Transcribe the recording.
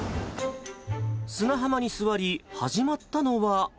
砂浜に座り、始まったのは。